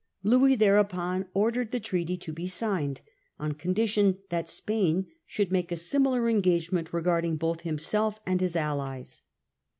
Louis thereupon ordered the treaty to be signed, on condition that Spain should make a simi lar engagement regarding both himself and his allies.